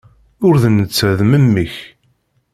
Ula d netta d memmi-k.